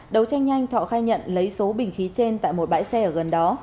đấu tranh nhanh thọ khai nhận lấy số bình khí trên tại một bãi xe ở gần đó